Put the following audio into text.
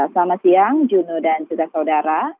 selamat siang juno dan juga saudara